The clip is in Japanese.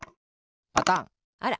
パタンあら。